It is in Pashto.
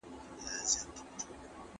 چېرته رواني درملنه کېږي؟